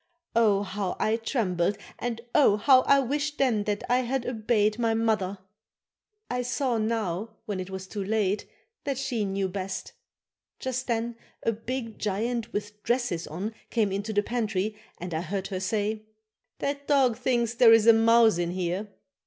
Oh! how I trembled and oh! how I wished then that I had obeyed my mother. I saw now, when it was too late, that she knew best. Just then a big giant with dresses on came into the pantry and I heard her say: "That dog thinks there is a mouse in here."